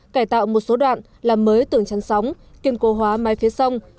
cải tạo một số đoạn làm mới tường chắn sóng kiên cố hóa mái phía sông